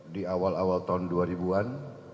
di awal awal tahun dua ribu an